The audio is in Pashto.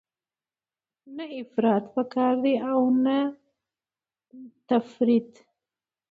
نه افراط پکار دی او نه تفریط.